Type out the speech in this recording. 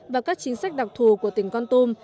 và các chính sách đặc thù của tỉnh con tum